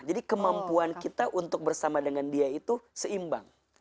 jadi kemampuan kita untuk bersama dengan dia itu seimbang